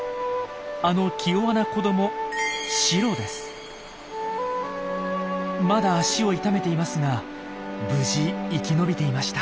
あの気弱な子どもまだ足を痛めていますが無事生き延びていました。